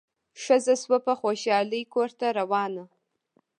ښځه سوه په خوشالي کورته روانه